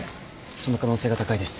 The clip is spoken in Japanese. その可能性が高いです。